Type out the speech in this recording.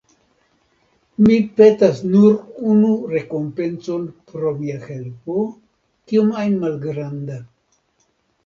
Mi petas nur unu rekompencon pro mia helpo, kiom ajn malgranda.